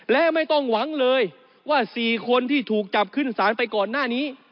และไม่ต้องหวังเลยว่า๔คนที่ถูกจับขึ้นสารไปก่อนหน้านี้